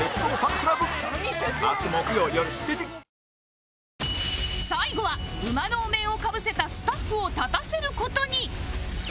続く最後は馬のお面をかぶせたスタッフを立たせる事に